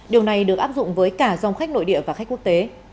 điều này được áp dụng với cả dòng khách nội địa và khách quốc tế